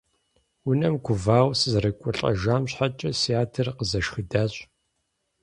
Унэм гувауэ сызэрекӀуэлӏэжам щхьэкӀэ си адэр къызэшхыдащ.